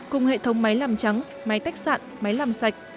cùng hệ thống máy làm trắng máy tách máy làm sạch